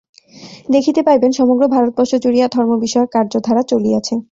দেখিতে পাইবেন, সমগ্র ভারতবর্ষ জুড়িয়া ধর্মবিষয়ক কার্যধারা চলিয়াছে।